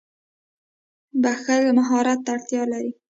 • بښل مهارت ته اړتیا لري.